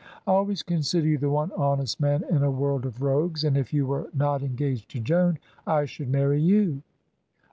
I always consider you the one honest man in a world of rogues, and if you were not engaged to Joan, I should marry you."